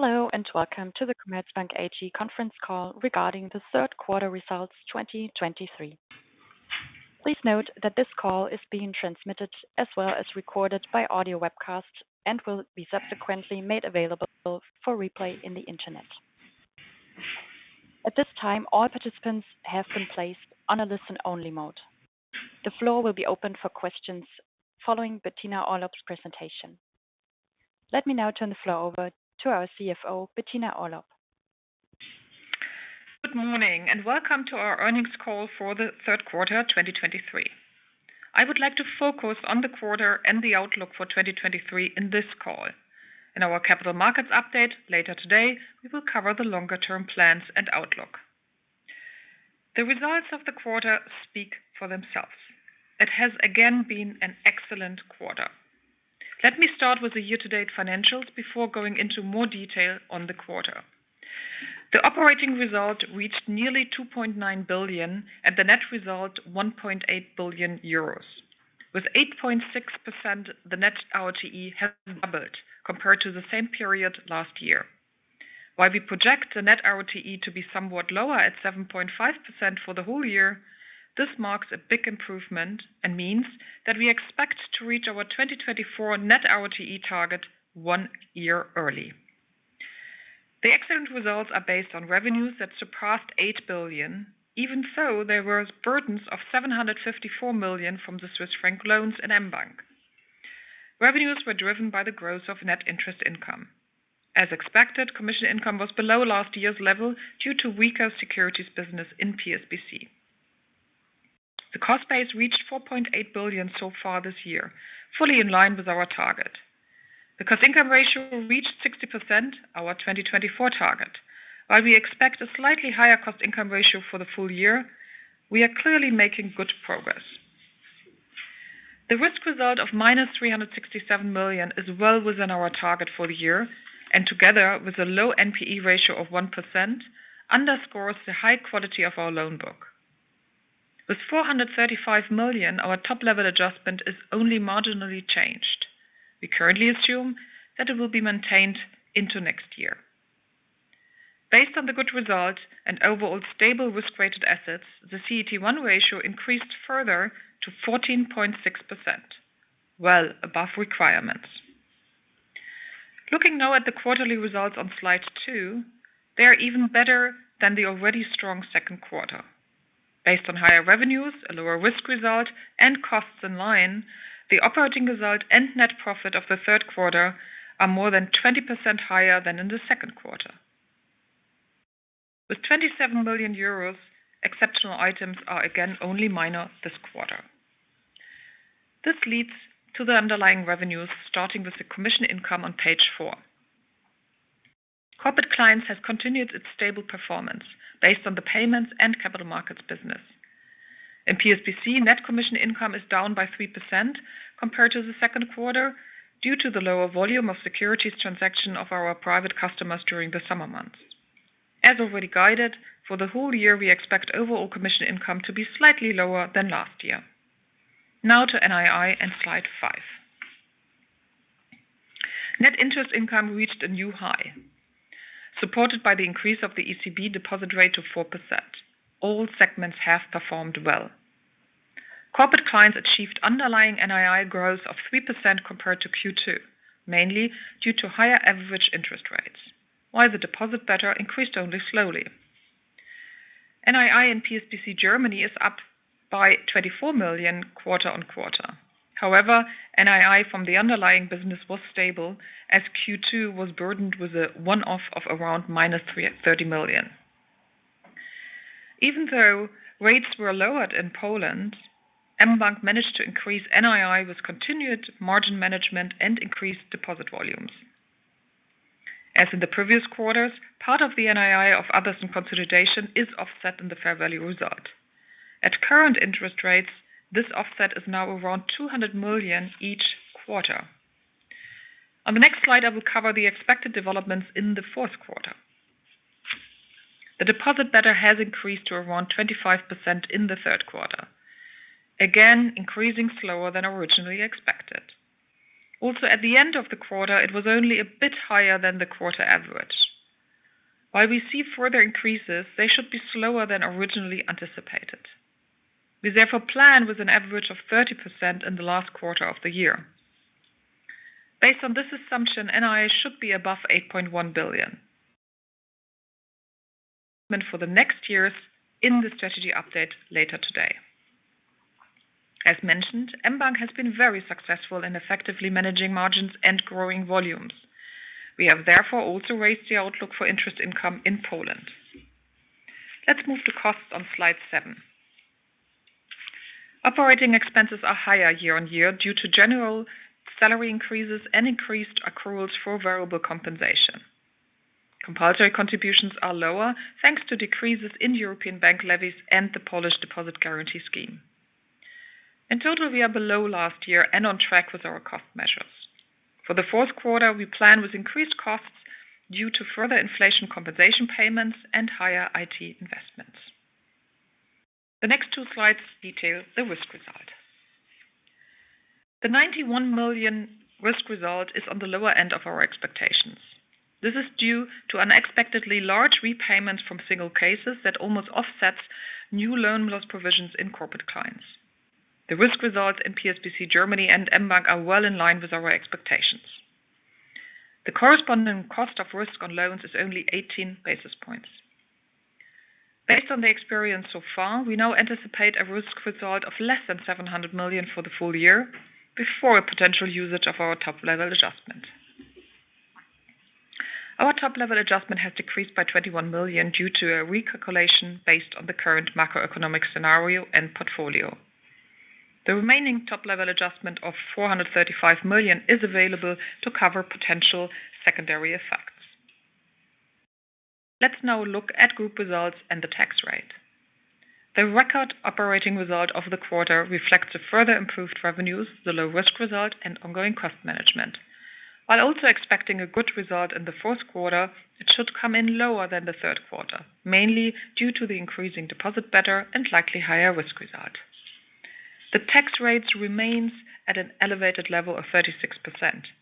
Hello, and welcome to the Commerzbank AG conference call regarding the third quarter results 2023. Please note that this call is being transmitted as well as recorded by audio webcast and will be subsequently made available for replay on the Internet. At this time, all participants have been placed on a listen-only mode. The floor will be open for questions following Bettina Orlopp's presentation. Let me now turn the floor over to our CFO, Bettina Orlopp. Good morning, and welcome to our earnings call for the third quarter of 2023. I would like to focus on the quarter and the outlook for 2023 in this call. In our capital markets update later today, we will cover the longer-term plans and outlook. The results of the quarter speak for themselves. It has again been an excellent quarter. Let me start with the year-to-date financials before going into more detail on the quarter. The operating result reached nearly 2.9 billion, and the net result, 1.8 billion euros. With 8.6%, the net ROTE has doubled compared to the same period last year. While we project the Net ROTE to be somewhat lower at 7.5% for the whole year, this marks a big improvement and means that we expect to reach our 2024 Net ROTE target one year early. The excellent results are based on revenues that surpassed 8 billion. Even so, there were burdens of 754 million from the Swiss franc loans in mBank. Revenues were driven by the growth of net interest income. As expected, commission income was below last year's level due to weaker securities business in PSBC. The cost base reached 4.8 billion so far this year, fully in line with our target. The cost income ratio reached 60%, our 2024 target. While we expect a slightly higher cost income ratio for the full year, we are clearly making good progress. The risk result of -367 million is well within our target for the year, and together with a low NPE ratio of 1%, underscores the high quality of our loan book. With 435 million, our top-level adjustment is only marginally changed. We currently assume that it will be maintained into next year. Based on the good results and overall stable risk-rated assets, the CET1 ratio increased further to 14.6%, well above requirements. Looking now at the quarterly results on slide two, they are even better than the already strong second quarter. Based on higher revenues, a lower risk result, and costs in line, the operating result and net profit of the third quarter are more than 20% higher than in the second quarter. With 27 billion euros, exceptional items are again only minor this quarter. This leads to the underlying revenues, starting with the commission income on page four. Corporate Clients have continued its stable performance based on the payments and capital markets business. In PSBC, net commission income is down by 3% compared to the second quarter due to the lower volume of securities transaction of our private customers during the summer months. As already guided, for the whole year, we expect overall commission income to be slightly lower than last year. Now to NII in slide five. Net interest income reached a new high, supported by the increase of the ECB deposit rate to 4%. All segments have performed well. Corporate Clients achieved underlying NII growth of 3% compared to Q2, mainly due to higher average interest rates, while the deposit beta increased only slowly. NII in PSBC, Germany is up by 24 million quarter on quarter. However, NII from the underlying business was stable as Q2 was burdened with a one-off of around -30 million. Even though rates were lowered in Poland, mBank managed to increase NII with continued margin management and increased deposit volumes. As in the previous quarters, part of the NII of others and consolidation is offset in the fair value result. At current interest rates, this offset is now around 200 million each quarter. On the next slide, I will cover the expected developments in the fourth quarter. The deposit beta has increased to around 25% in the third quarter, again, increasing slower than originally expected. Also, at the end of the quarter, it was only a bit higher than the quarter average. While we see further increases, they should be slower than originally anticipated. We therefore plan with an average of 30% in the last quarter of the year. Based on this assumption, NII should be above 8.1 billion. For the next years in the strategy update later today. As mentioned, mBank has been very successful in effectively managing margins and growing volumes. We have therefore also raised the outlook for interest income in Poland. Let's move to cost on slide seven. Operating expenses are higher year-on-year due to general salary increases and increased accruals for variable compensation. Compulsory contributions are lower, thanks to decreases in European bank levies and the Polish deposit guarantee scheme. In total, we are below last year and on track with our cost measures. For the fourth quarter, we plan with increased costs due to further inflation compensation payments and higher IT investments. The next two slides detail the risk result. The 91 million risk result is on the lower end of our expectations. This is due to unexpectedly large repayments from single cases that almost offsets new loan loss provisions in corporate clients. The risk results in PSBC Germany and mBank are well in line with our expectations. The corresponding cost of risk on loans is only 18 basis points. Based on the experience so far, we now anticipate a risk result of less than 700 million for the full year, before a potential usage of our top-level adjustment. Our top-level adjustment has decreased by 21 million due to a recalculation based on the current macroeconomic scenario and portfolio. The remaining top-level adjustment of 435 million is available to cover potential secondary effects. Let's now look at group results and the tax rate. The record operating result of the quarter reflects the further improved revenues, the low risk result, and ongoing cost management. While also expecting a good result in the fourth quarter, it should come in lower than the third quarter, mainly due to the increasing deposit beta and likely higher risk result. The tax rate remains at an elevated level of 36%,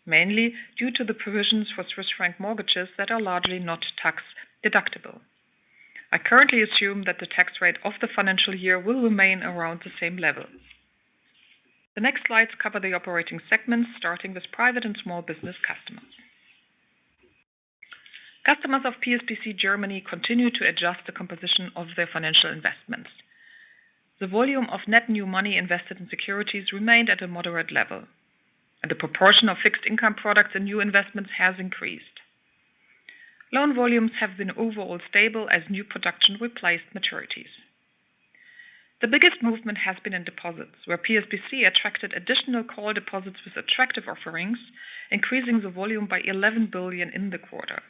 mainly due to the provisions for Swiss franc mortgages that are largely not tax-deductible. I currently assume that the tax rate of the financial year will remain around the same level. The next slides cover the operating segments, starting with Private and Small-Business Customers. Customers of PSBC Germany continue to adjust the composition of their financial investments. The volume of net new money invested in securities remained at a moderate level, and the proportion of fixed income products and new investments has increased. Loan volumes have been overall stable as new production replaced maturities. The biggest movement has been in deposits, where PSBC attracted additional call deposits with attractive offerings, increasing the volume by 11 billion in the quarter.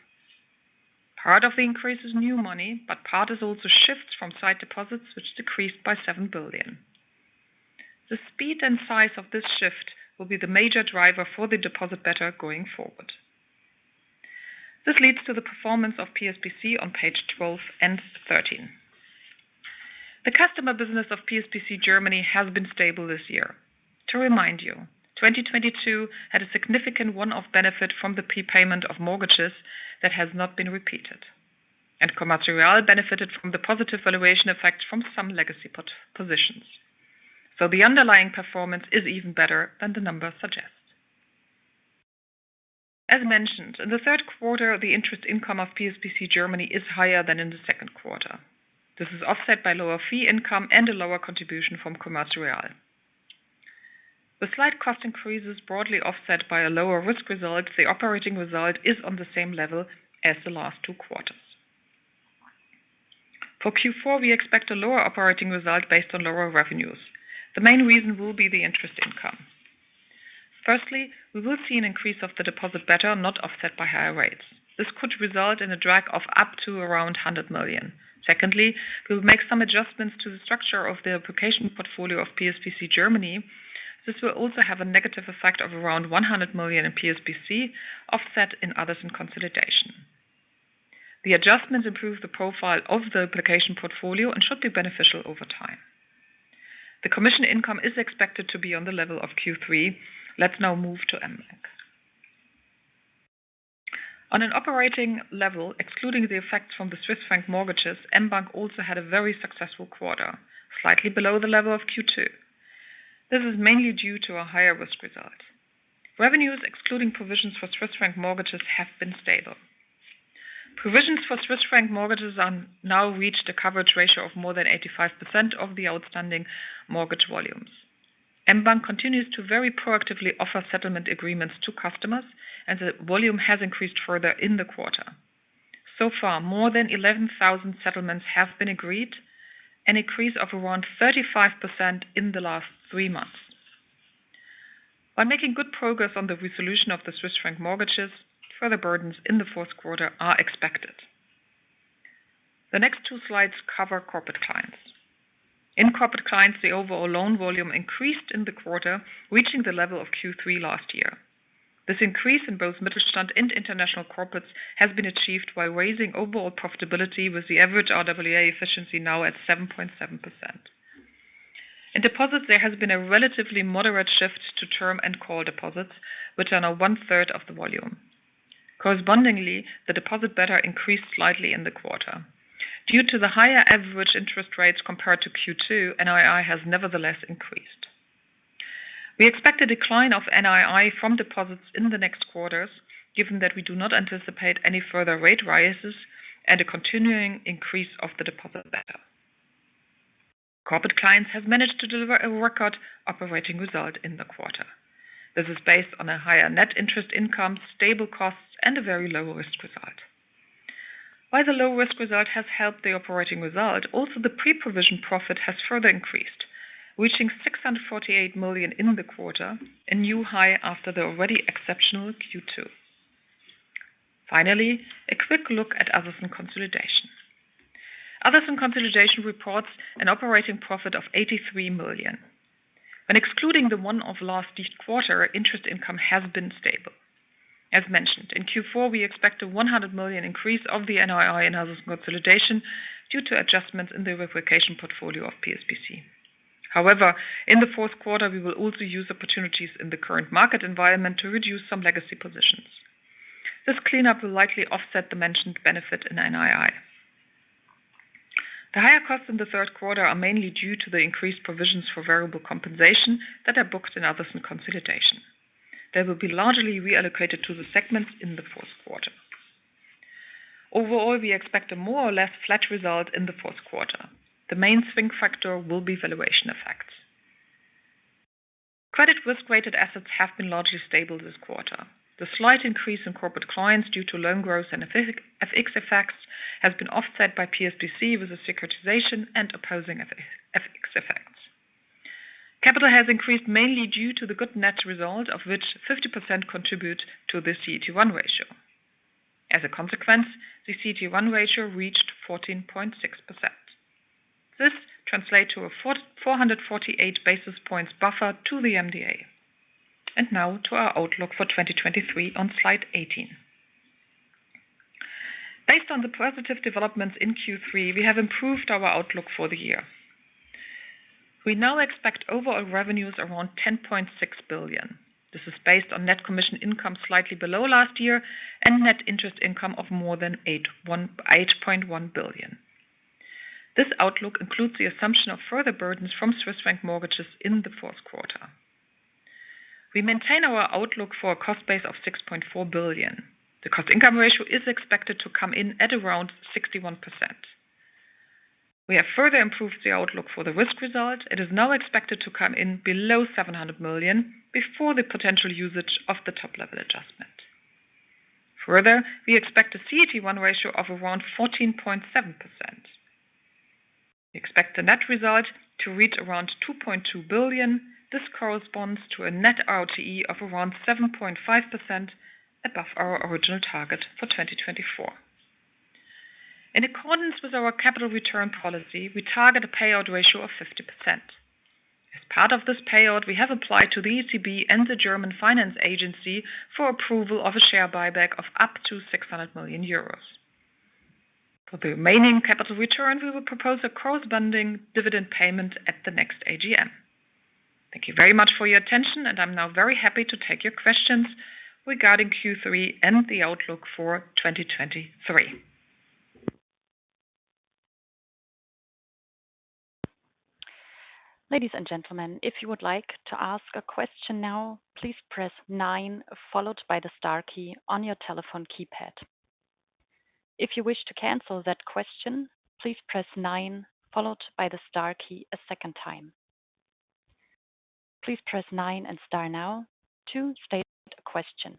Part of the increase is new money, but part is also shifts from side deposits, which decreased by 7 billion. The speed and size of this shift will be the major driver for the deposit beta going forward. This leads to the performance of PSBC on page 12 and 13. The customer business of PSBC Germany has been stable this year. To remind you, 2022 had a significant one-off benefit from the prepayment of mortgages that has not been repeated, and Commerz Real benefited from the positive valuation effect from some legacy pot positions. So the underlying performance is even better than the numbers suggest. As mentioned, in the third quarter, the interest income of PSBC Germany is higher than in the second quarter. This is offset by lower fee income and a lower contribution from Commerz Real. The slight cost increase is broadly offset by a lower risk result; the operating result is on the same level as the last two quarters. For Q4, we expect a lower operating result based on lower revenues. The main reason will be the interest income. Firstly, we will see an increase of the deposit beta, not offset by higher rates. This could result in a drag of up to around 100 million. Secondly, we will make some adjustments to the structure of the replication portfolio of PSBC Germany. This will also have a negative effect of around 100 million in PSBC, offset in others in consolidation. The adjustment improves the profile of the application portfolio and should be beneficial over time. The commission income is expected to be on the level of Q3. Let's now move to mBank. On an operating level, excluding the effects from the Swiss franc mortgages, mBank also had a very successful quarter, slightly below the level of Q2. This is mainly due to a higher risk result. Revenues, excluding provisions for Swiss franc mortgages, have been stable. Provisions for Swiss franc mortgages are now reached a coverage ratio of more than 85% of the outstanding mortgage volumes. mBank continues to very proactively offer settlement agreements to customers, and the volume has increased further in the quarter. So far, more than 11,000 settlements have been agreed, an increase of around 35% in the last three months. While making good progress on the resolution of the Swiss franc mortgages, further burdens in the fourth quarter are expected. The next two slides cover corporate clients. In corporate clients, the overall loan volume increased in the quarter, reaching the level of Q3 last year. This increase in both Mittelstand and international corporates has been achieved by raising overall profitability, with the average RWA efficiency now at 7.7%. In deposits, there has been a relatively moderate shift to term and call deposits, which are now one-third of the volume. Correspondingly, the deposit beta increased slightly in the quarter. Due to the higher average interest rates compared to Q2, NII has nevertheless increased. We expect a decline of NII from deposits in the next quarters, given that we do not anticipate any further rate rises and a continuing increase of the deposit beta. Corporate Clients have managed to deliver a record operating result in the quarter. This is based on a higher net interest income, stable costs, and a very low risk result. While the low risk result has helped the operating result, also the pre-provision profit has further increased, reaching 648 million in the quarter, a new high after the already exceptional Q2. Finally, a quick look at Others in consolidation. Others in consolidation reports an operating profit of 83 million. When excluding the one of last quarter, interest income has been stable.... As mentioned, in Q4, we expect a 100 million increase of the NII and others consolidation due to adjustments in the replicating portfolio of PSBC. However, in the fourth quarter, we will also use opportunities in the current market environment to reduce some legacy positions. This cleanup will likely offset the mentioned benefit in NII. The higher costs in the third quarter are mainly due to the increased provisions for variable compensation that are booked in others and consolidation. They will be largely reallocated to the segments in the fourth quarter. Overall, we expect a more or less flat result in the fourth quarter. The main swing factor will be valuation effects. Credit risk-weighted assets have been largely stable this quarter. The slight increase in Corporate Clients due to loan growth and FX effects has been offset by PSBC with a securitization and opposing FX effects. Capital has increased mainly due to the good net result, of which 50% contribute to the CET1 ratio. As a consequence, the CET1 ratio reached 14.6%. This translates to a 448 basis points buffer to the MDA. Now to our outlook for 2023 on slide 18. Based on the positive developments in Q3, we have improved our outlook for the year. We now expect overall revenues around 10.6 billion. This is based on net commission income slightly below last year and net interest income of more than 8.1 billion. This outlook includes the assumption of further burdens from Swiss franc mortgages in the fourth quarter. We maintain our outlook for a cost base of 6.4 billion. The cost-income ratio is expected to come in at around 61%. We have further improved the outlook for the risk result. It is now expected to come in below 700 million before the potential usage of the top-level adjustment. Further, we expect a CET1 ratio of around 14.7%. We expect the net result to reach around 2.2 billion. This corresponds to a Net ROTE of around 7.5% above our original target for 2024. In accordance with our capital return policy, we target a payout ratio of 50%. As part of this payout, we have applied to the ECB and the German Finance Agency for approval of a share buyback of up to 600 million euros. For the remaining capital return, we will propose a cash dividend payment at the next AGM. Thank you very much for your attention, and I'm now very happy to take your questions regarding Q3 and the outlook for 2023. Ladies and gentlemen, if you would like to ask a question now, please press nine, followed by the star key on your telephone keypad. If you wish to cancel that question, please press nine, followed by the star key a second time. Please press nine and star now to state a question.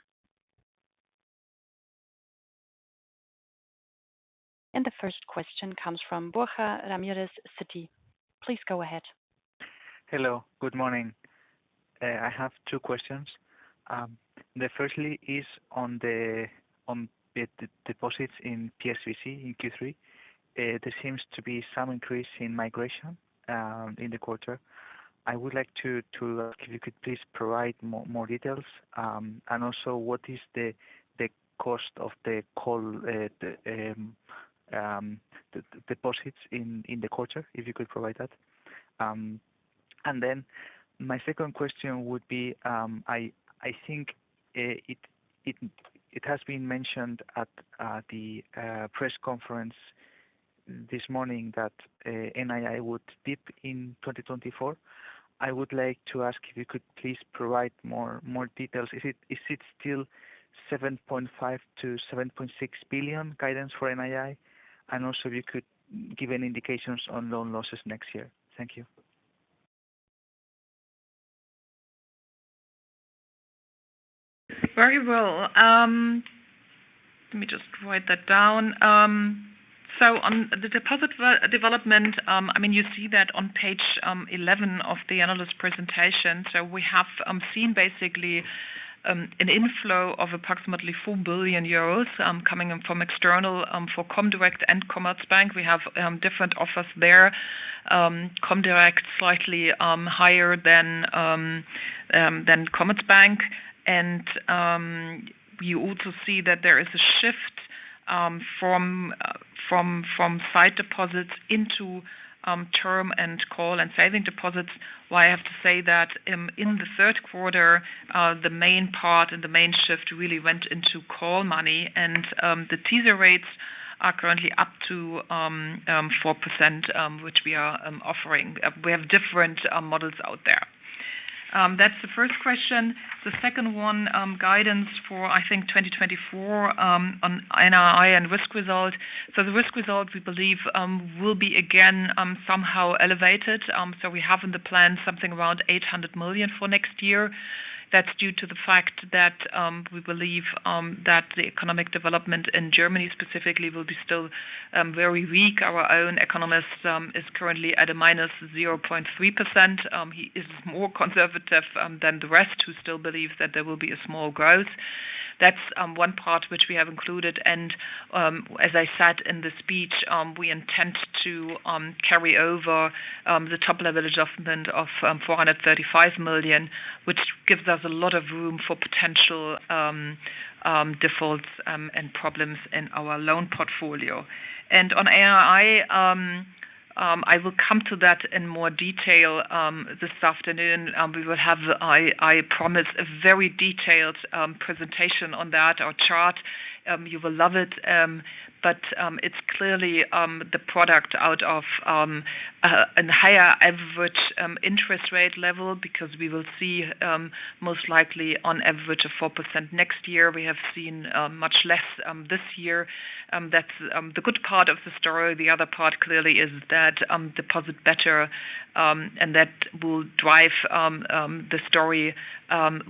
And the first question comes from Borja Ramirez, Citi. Please go ahead. Hello, good morning. I have two questions. Firstly is on the deposits in PSBC in Q3. There seems to be some increase in migration in the quarter. I would like to, if you could please provide more details, and also what is the cost of the deposits in the quarter, if you could provide that. And then my second question would be, I think it has been mentioned at the press conference this morning that NII would dip in 2024. I would like to ask if you could please provide more details. Is it still 7.5 billion-7.6 billion guidance for NII? Also, if you could give any indications on loan losses next year? Thank you. Very well. Let me just write that down. So on the deposit development, I mean, you see that on page 11 of the analyst presentation. So we have seen basically an inflow of approximately 4 billion euros coming in from external for comdirect and Commerzbank. We have different offers there. comdirect, slightly higher than Commerzbank. And we also see that there is a shift from sight deposits into term and call and savings deposits. Well, I have to say that in the third quarter the main part and the main shift really went into call money, and the teaser rates are currently up to 4%, which we are offering. We have different models out there. That's the first question. The second one, guidance for, I think, 2024, on NII and risk result. So the risk result, we believe, will be again somehow elevated. So we have in the plan something around 800 million for next year. That's due to the fact that we believe that the economic development in Germany specifically will be still very weak. Our own economist is currently at -0.3%. He is more conservative than the rest, who still believe that there will be a small growth. That's one part which we have included, and as I said in the speech, we intend to carry over the top-level adjustment of 435 million, which gives us a lot of room for potential defaults and problems in our loan portfolio. And on NII, I will come to that in more detail this afternoon. We will have, I promise, a very detailed presentation on that or chart. You will love it. But it's clearly the product out of a higher average interest rate level, because we will see most likely on average of 4% next year. We have seen much less this year. That's the good part of the story. The other part, clearly, is that, deposit beta, and that will drive, the story,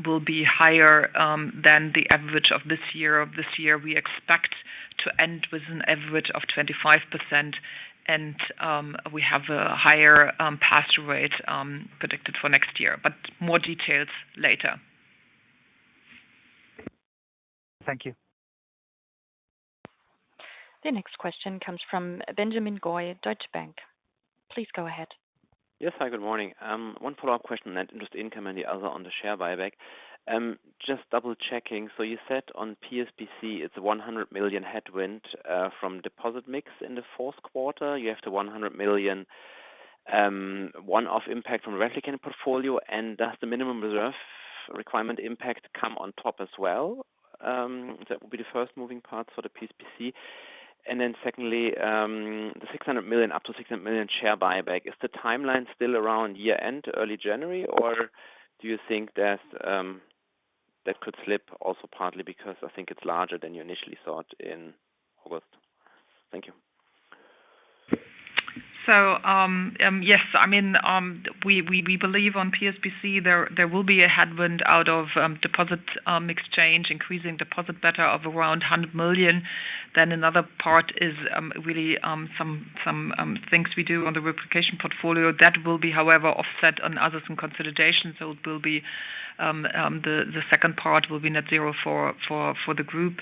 will be higher, than the average of this year. Of this year, we expect to end with an average of 25%, and, we have a higher, pass-through rate, predicted for next year, but more details later. Thank you. The next question comes from Benjamin Goy, Deutsche Bank. Please go ahead. Yes, hi, good morning. One follow-up question on interest income, and the other on the share buyback. Just double checking, so you said on PSBC, it's 100 million headwind from deposit mix in the fourth quarter. You have the 100 million one-off impact from replicating portfolio, and does the minimum reserve requirement impact come on top as well? That will be the first moving part for the PSBC. And then secondly, the 600 million, up to 600 million share buyback, is the timeline still around year-end, early January, or do you think that that could slip also partly because I think it's larger than you initially thought in August? Thank you. So, yes, I mean, we believe on PSBC, there will be a headwind out of deposit exchange, increasing deposit beta of around 100 million. Then another part is, really, some things we do on the replication portfolio. That will be, however, offset on others in consolidation. So it will be, the second part will be net zero for the group.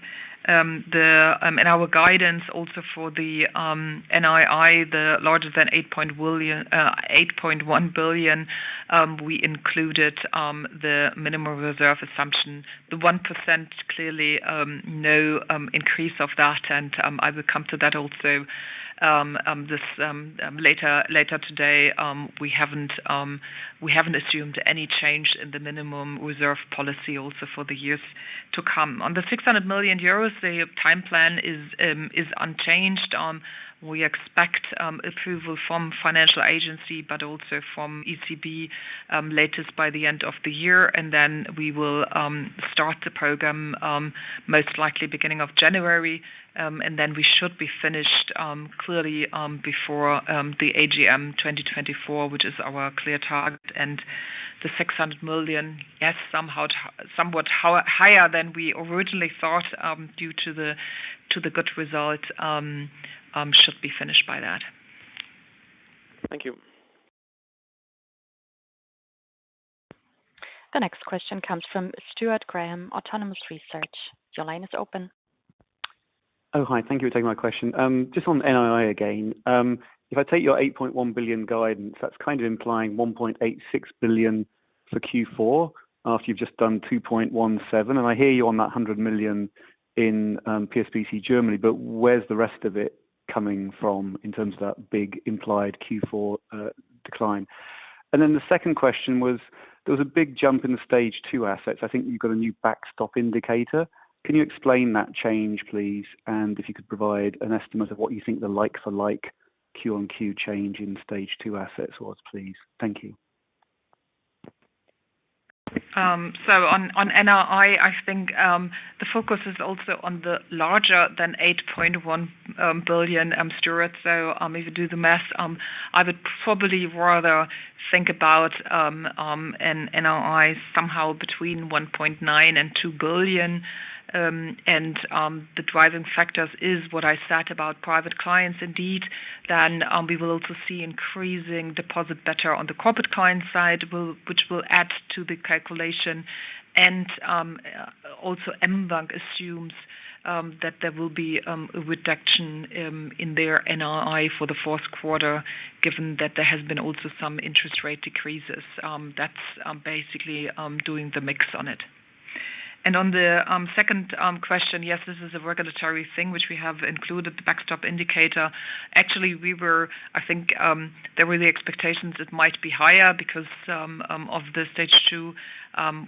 And our guidance also for the NII, the larger than 8.1 billion, we included the minimum reserve assumption. The 1%, clearly, no increase of that, and I will come to that also, this later today. We haven't assumed any change in the minimum reserve policy also for the years to come. On the 600 million euros, the time plan is unchanged. We expect approval from financial agency, but also from ECB, latest by the end of the year, and then we will start the program most likely beginning of January, and then we should be finished clearly before the AGM 2024, which is our clear target. And the 600 million, yes, somehow somewhat higher than we originally thought, due to the good results, should be finished by that. Thank you. The next question comes from Stuart Graham, Autonomous Research. Your line is open. Oh, hi. Thank you for taking my question. Just on NII again. If I take your 8.1 billion guidance, that's kind of implying 1.86 billion for Q4, after you've just done 2.17 billion, and I hear you on that 100 million in PSBC, Germany, but where's the rest of it coming from in terms of that big implied Q4 decline? And then the second question was, there was a big jump in the Stage Two assets. I think you've got a new backstop indicator. Can you explain that change, please? And if you could provide an estimate of what you think the like for like Q-on-Q change in Stage Two assets was, please. Thank you. So on NII, I think the focus is also on the larger than 8.1 billion, Stuart. So, if you do the math, I would probably rather think about an NII somehow between 1.9 billion and 2 billion. And the driving factors is what I said about private clients indeed, then we will also see increasing deposit beta on the corporate client side, which will add to the calculation. And also, mBank assumes that there will be a reduction in their NII for the fourth quarter, given that there has been also some interest rate decreases. That's basically doing the mix on it. And on the second question, yes, this is a regulatory thing, which we have included the backstop indicator. Actually, we were—I think, there were the expectations it might be higher because of the stage two.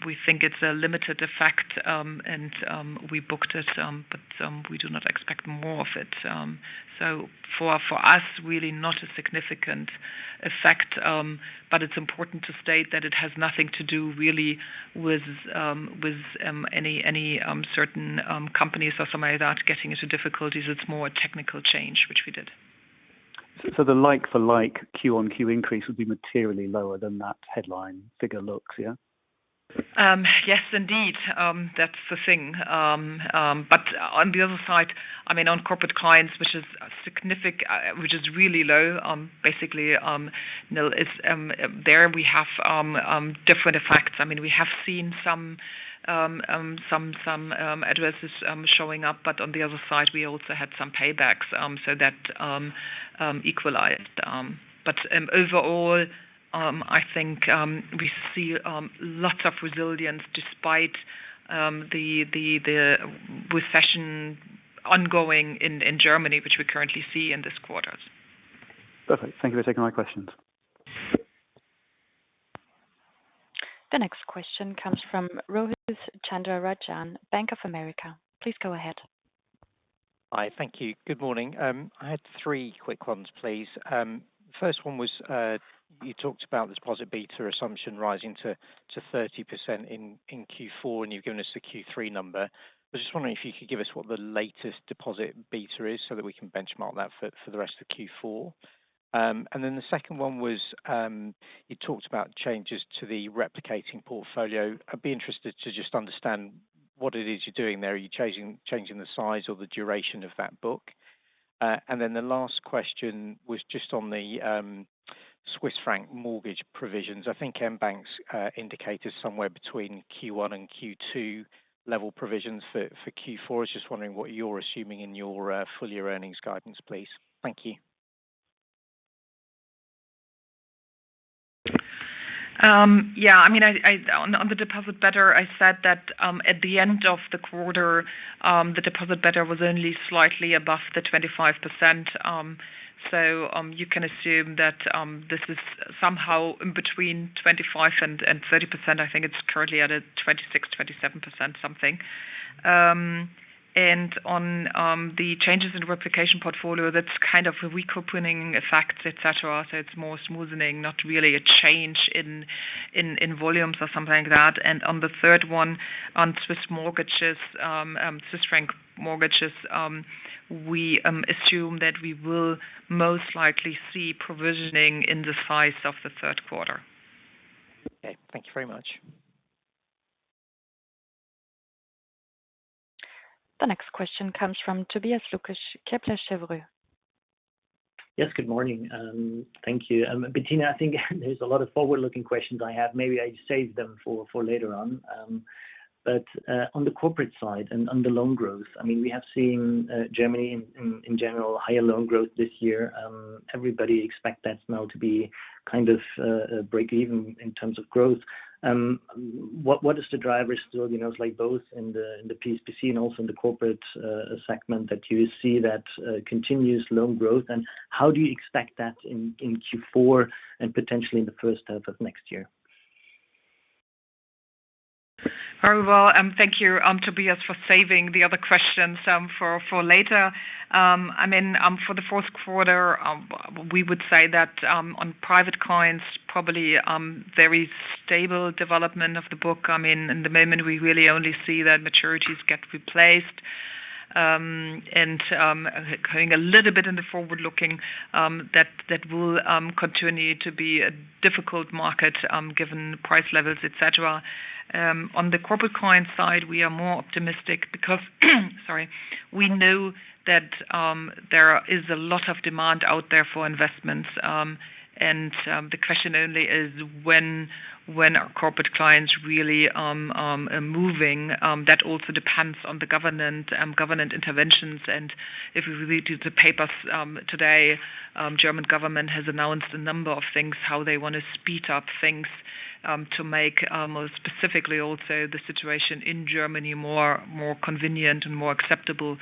We think it's a limited effect, and we booked it, but we do not expect more of it. So for us, really not a significant effect, but it's important to state that it has nothing to do really with any certain companies or somebody that getting into difficulties. It's more a technical change, which we did.... So the like-for-like Q-on-Q increase would be materially lower than that headline figure looks, yeah? Yes, indeed. That's the thing. But on the other side, I mean, on corporate clients, which is significant, which is really low, basically, you know, it's there we have different effects. I mean, we have seen some addresses showing up, but on the other side, we also had some paybacks. So that equalized. But overall, I think we see lots of resilience despite the recession ongoing in Germany, which we currently see in this quarters. Perfect. Thank you for taking my questions. The next question comes from Rohit Chandra-Rajan, Bank of America. Please go ahead. Hi. Thank you. Good morning. I had three quick ones, please. First one was, you talked about the deposit beta assumption rising to 30% in Q4, and you've given us the Q3 number. I was just wondering if you could give us what the latest deposit beta is, so that we can benchmark that for the rest of Q4. And then the second one was, you talked about changes to the replicating portfolio. I'd be interested to just understand what it is you're doing there. Are you changing the size or the duration of that book? And then the last question was just on the Swiss franc mortgage provisions. I think mBank's indicated somewhere between Q1 and Q2 level provisions for Q4. I was just wondering what you're assuming in your full year earnings guidance, please. Thank you. Yeah, I mean, on the deposit beta, I said that, at the end of the quarter, the deposit beta was only slightly above the 25%. So, you can assume that, this is somehow in between 25% and 30%. I think it's currently at a 26-27% something. And on, the changes in the replication portfolio, that's kind of a recouping effect, et cetera. So it's more smoothening, not really a change in volumes or something like that. And on the third one, on Swiss mortgages, Swiss franc mortgages, we assume that we will most likely see provisioning in the size of the third quarter. Okay. Thank you very much. The next question comes from Tobias Lukesch, Kepler Cheuvreux. Yes, good morning, thank you. Bettina, I think there's a lot of forward-looking questions I have. Maybe I save them for later on. But on the corporate side and on the loan growth, I mean, we have seen Germany in general higher loan growth this year. Everybody expects that now to be kind of a break-even in terms of growth. What is the driver still, you know, like, both in the PBC and also in the corporate segment, that you see that continuous loan growth, and how do you expect that in Q4 and potentially in the first half of next year? Very well, thank you, Tobias, for saving the other questions for later. I mean, for the fourth quarter, we would say that on private clients, probably very stable development of the book. I mean, in the moment, we really only see that maturities get replaced. And, going a little bit in the forward-looking, that will continue to be a difficult market, given price levels, et cetera. On the corporate client side, we are more optimistic because, sorry, we know that there is a lot of demand out there for investments. And, the question only is when, when are corporate clients really moving? That also depends on the government, government interventions, and if we read the papers, today, German government has announced a number of things, how they want to speed up things, to make, specifically also the situation in Germany more, more convenient and more acceptable,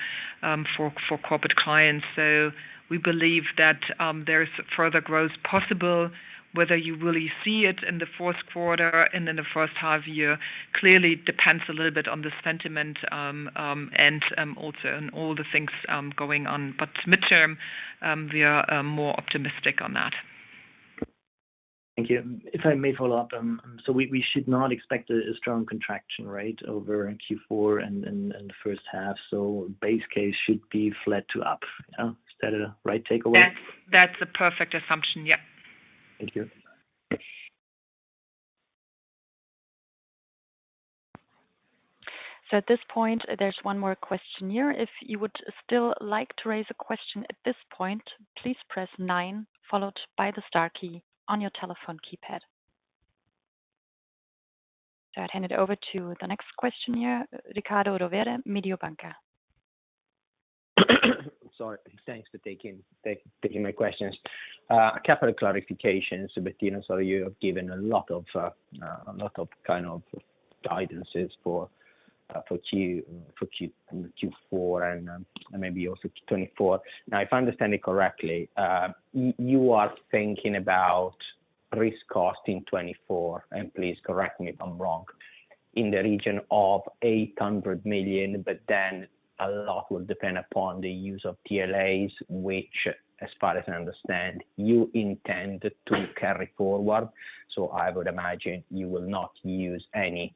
for, for corporate clients. So we believe that there is further growth possible. Whether you really see it in the fourth quarter and in the first half year, clearly depends a little bit on the sentiment, and also on all the things going on. But midterm, we are more optimistic on that. Thank you. If I may follow up, so we should not expect a strong contraction rate over Q4 and the first half, so base case should be flat to up. Is that a right takeaway? That's a perfect assumption. Yep. Thank you. So at this point, there's one more question here. If you would still like to raise a question at this point, please press nine, followed by the star key on your telephone keypad. So I hand it over to the next question here, Riccardo Rovere, Mediobanca. Sorry. Thanks for taking my questions. A couple of clarifications, Bettina. So you have given a lot of kind of guidances for Q4 and maybe also Q 2024. Now, if I understand it correctly, you are thinking about risk cost in 2024, and please correct me if I'm wrong, in the region of 800 million, but then a lot will depend upon the use of TLAs, which, as far as I understand, you intend to carry forward. So I would imagine you will not use any-...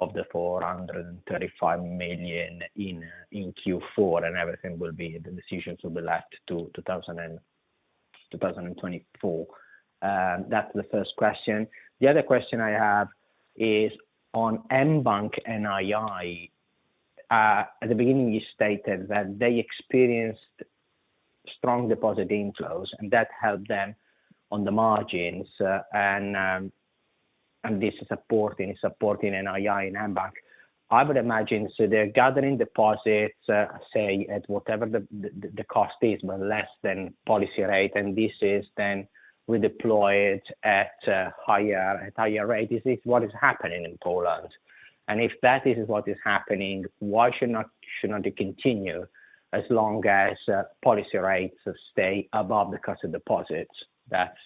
of the 435 million in Q4, and everything will be the decisions will be left to 2024. That's the first question. The other question I have is on mBank NII. At the beginning, you stated that they experienced strong deposit inflows, and that helped them on the margins, and this is supporting NII in mBank. I would imagine, so they're gathering deposits, say, at whatever the cost is, but less than policy rate, and this is then redeployed at a higher rate. Is this what is happening in Poland? And if that is what is happening, why should not it continue as long as policy rates stay above the cost of deposits? That's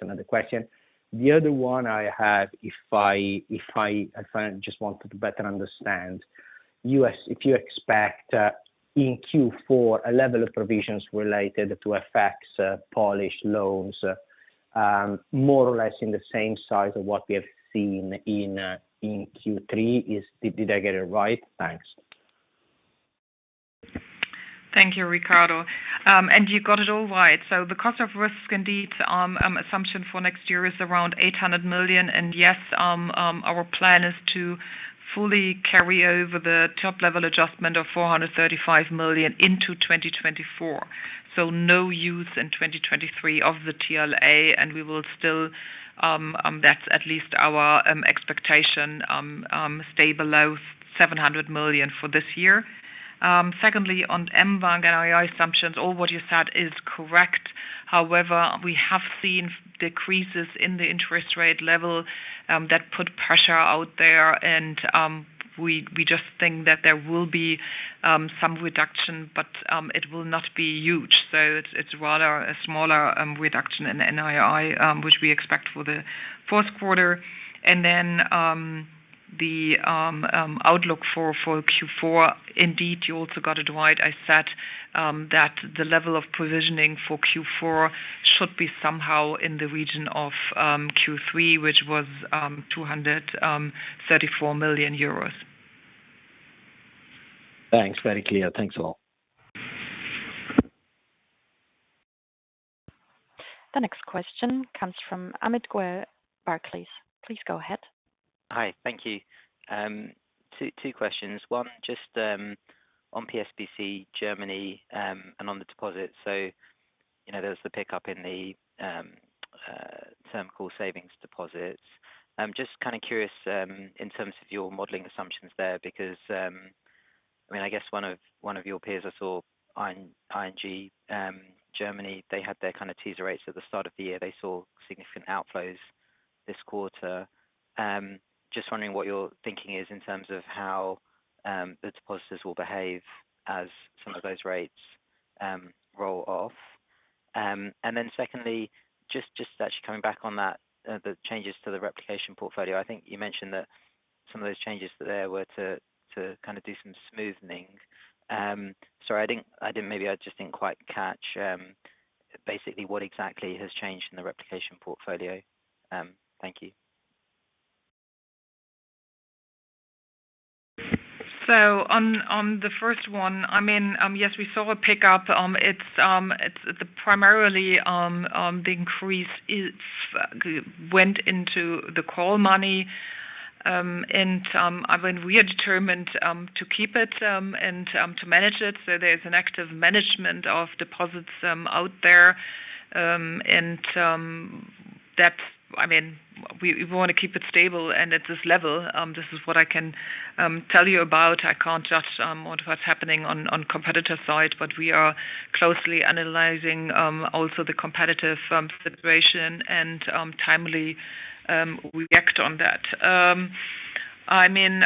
another question. The other one I have, if I just wanted to better understand, you as- if you expect, in Q4, a level of provisions related to FX, Polish loans, more or less in the same size of what we have seen in, in Q3, is... Did I get it right? Thanks. Thank you, Riccardo. And you got it all right. So the cost of risk, indeed, assumption for next year is around 800 million, and yes, our plan is to fully carry over the top-level adjustment of 435 million into 2024. So no use in 2023 of the TLA, and we will still, that's at least our expectation, stay below 700 million for this year. Secondly, on mBank NII assumptions, all what you said is correct. However, we have seen decreases in the interest rate level, that put pressure out there, and we just think that there will be some reduction, but it will not be huge. So it's rather a smaller reduction in NII, which we expect for the fourth quarter. Then, the outlook for Q4, indeed, you also got it right. I said that the level of provisioning for Q4 should be somehow in the region of Q3, which was 234 million euros. Thanks, very clear. Thanks a lot. The next question comes from Amit Goel, Barclays. Please go ahead. Hi, thank you. Two questions. One, just on PSBC, Germany, and on the deposits. So, you know, there was the pickup in the term call savings deposits. I'm just kind of curious in terms of your modeling assumptions there, because I mean, I guess one of your peers I saw, ING, Germany, they had their kind of teaser rates at the start of the year. They saw significant outflows this quarter. Just wondering what your thinking is in terms of how the depositors will behave as some of those rates roll off. And then secondly, just actually coming back on that, the changes to the replication portfolio, I think you mentioned that some of those changes there were to kind of do some smoothening. Sorry, I didn't, I didn't maybe I just didn't quite catch, basically what exactly has changed in the replication portfolio? Thank you. So on the first one, I mean, yes, we saw a pickup. It's primarily the increase went into the call money. And I mean, we are determined to keep it and to manage it, so there's an active management of deposits out there. And that's. I mean, we want to keep it stable and at this level, this is what I can tell you about. I can't judge on what's happening on competitor side, but we are closely analyzing also the competitive situation and timely react on that. I mean,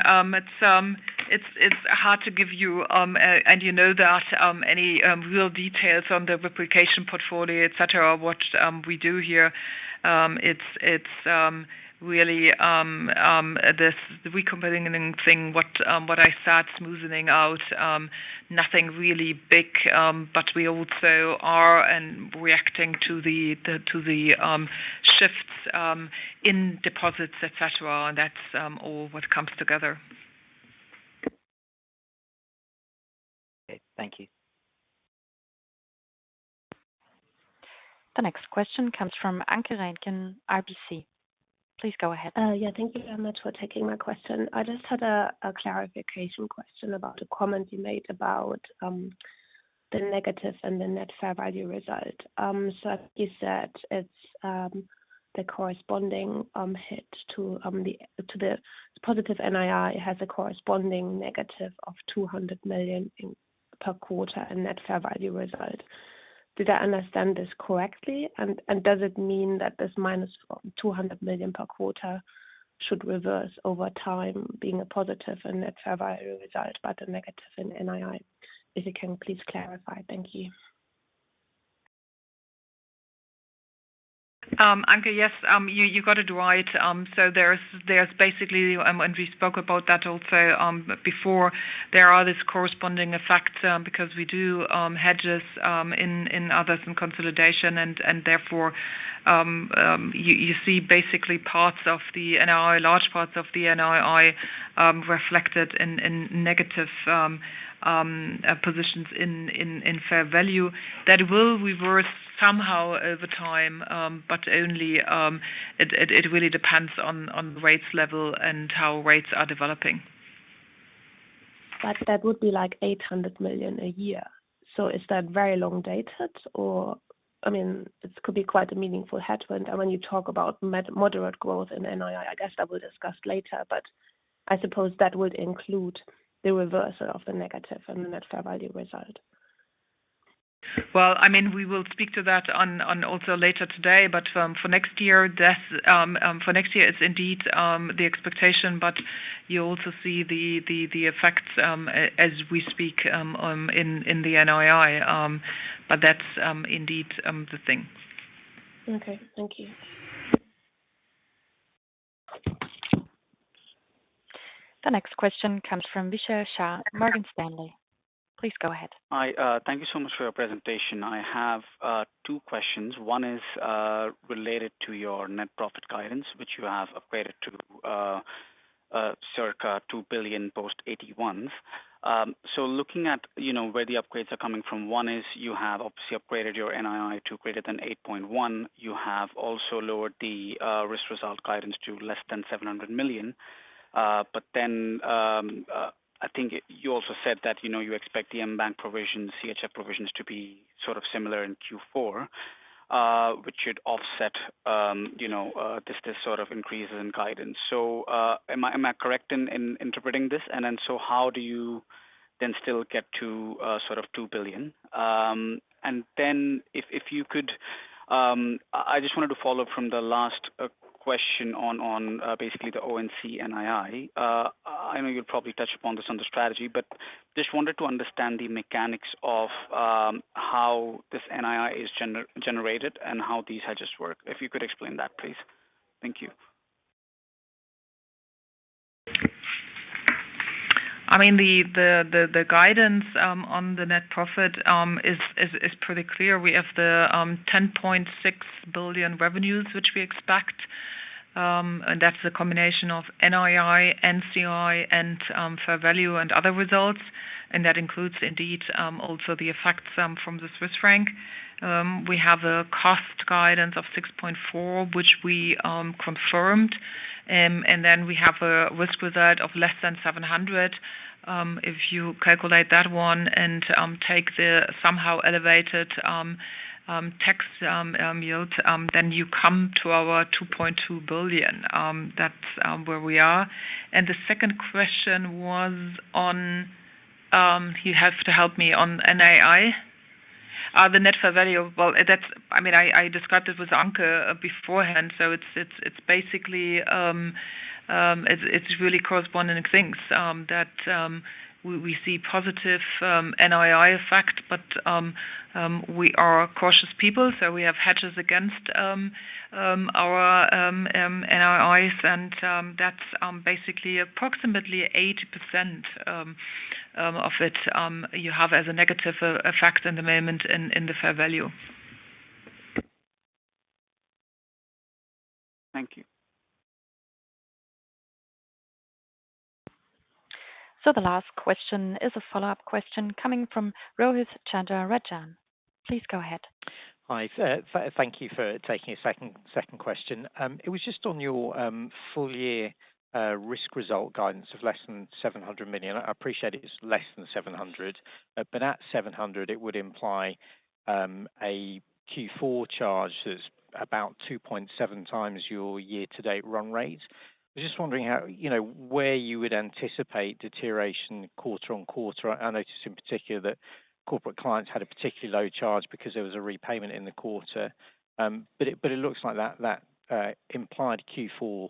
it's hard to give you, and you know that, any real details on the replication portfolio, et cetera, what we do here. It's really this recompiling thing, what I said, smoothening out, nothing really big, but we also are reacting to the shifts in deposits, et cetera, and that's all what comes together. Okay. Thank you. The next question comes from Anke Reingen, RBC. Please go ahead. Yeah, thank you very much for taking my question. I just had a clarification question about the comment you made about the negative and the net fair value result. So you said it's the corresponding hit to the positive NII has a corresponding negative of 200 million per quarter and net fair value result. Did I understand this correctly? And does it mean that this minus 200 million per quarter should reverse over time, being a positive and net fair value result, but a negative in NII? If you can please clarify. Thank you. ... Anke, yes, you got it right. So there's basically, and we spoke about that also before, there are this corresponding effect, because we do hedges in others in consolidation, and therefore you see basically parts of the NII, large parts of the NII, reflected in negative positions in fair value. That will reverse somehow over time, but only it really depends on rates level and how rates are developing. But that would be like 800 million a year. So is that very long dated? Or, I mean, it could be quite a meaningful headwind. And when you talk about moderate growth in NII, I guess that we'll discuss later, but I suppose that would include the reversal of the negative in the net fair value result. Well, I mean, we will speak to that on also later today, but for next year, that's for next year, it's indeed the expectation, but you also see the effects as we speak in the NII. But that's indeed the thing. Okay, thank you. The next question comes from Vishal Shah, Morgan Stanley. Please go ahead. Hi. Thank you so much for your presentation. I have two questions. One is related to your net profit guidance, which you have upgraded to circa 2 billion post AT1s. So looking at, you know, where the upgrades are coming from, one is you have obviously upgraded your NII to greater than 8.1. You have also lowered the risk result guidance to less than 700 million. But then I think you also said that, you know, you expect the mBank provisions, CHF provisions to be sort of similar in Q4, which should offset, you know, this sort of increases in guidance. So am I correct in interpreting this? And then so how do you then still get to sort of 2 billion? And then if you could, I just wanted to follow up from the last question on basically the ONC NII. I know you'll probably touch upon this on the strategy, but just wanted to understand the mechanics of how this NII is generated and how these hedges work. If you could explain that, please. Thank you. I mean, the guidance on the net profit is pretty clear. We have the 10.6 billion revenues, which we expect, and that's a combination of NII, NCI, and fair value and other results, and that includes indeed also the effects from the Swiss franc. We have a cost guidance of 6.4, which we confirmed, and then we have a risk result of less than 700. If you calculate that one and take the somehow elevated tax yield, then you come to our 2.2 billion. That's where we are. And the second question was on, you have to help me on NII? The net fair value. Well, that's, I mean, I discussed this with Anke beforehand, so it's basically it's really corresponding things that we see positive NII effect, but we are cautious people, so we have hedges against our NIIs, and that's basically approximately 80% of it you have as a negative effect in the moment in the fair value. Thank you. The last question is a follow-up question coming from Rohith Chandra-Rajan. Please go ahead. Hi, sir. Thank you for taking a second question. It was just on your full year risk result guidance of less than 700 million. I appreciate it's less than seven hundred, but at 700 million, it would imply a Q4 charge that's about 2.7x your year-to-date run rate. I was just wondering how, you know, where you would anticipate deterioration quarter-on-quarter. I noticed in particular that Corporate Clients had a particularly low charge because there was a repayment in the quarter. But it looks like that implied Q4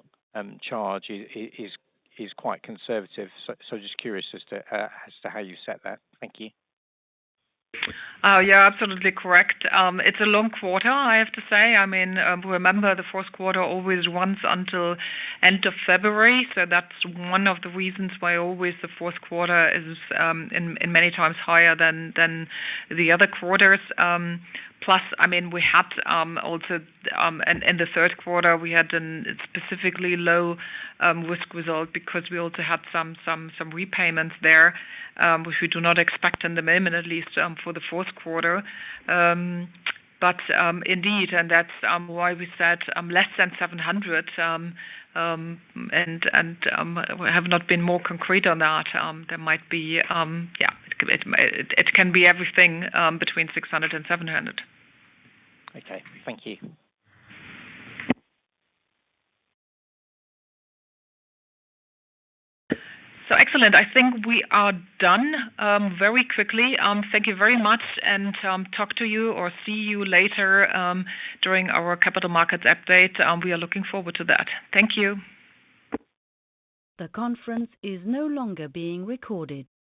charge is quite conservative. So just curious as to how you set that. Thank you. Yeah, absolutely correct. It's a long quarter, I have to say. I mean, remember, the fourth quarter always runs until end of February, so that's one of the reasons why always the fourth quarter is in many times higher than the other quarters. Plus, I mean, we had also in the third quarter, we had an specifically low risk result because we also had some repayments there, which we do not expect in the moment, at least for the fourth quarter. But, indeed, and that's why we said less than 700, and we have not been more concrete on that. There might be... Yeah, it can be everything between 600-700. Okay. Thank you. So excellent. I think we are done very quickly. Thank you very much, and talk to you or see you later during our capital markets update. We are looking forward to that. Thank you. The conference is no longer being recorded.